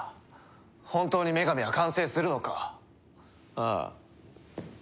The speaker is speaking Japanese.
ああ。